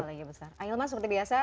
angin mas seperti biasa